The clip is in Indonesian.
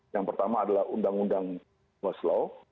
yang pertama adalah undang undang westlaw